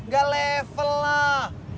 gak level lah